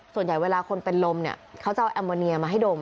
ส่วนใหญ่เวลาคนเป็นลมเนี่ยเขาจะเอาแอมโมเนียมาให้ดม